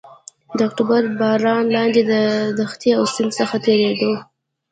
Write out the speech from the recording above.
د اکتوبر تر باران لاندې له دښتې او سیند څخه تېرېدو.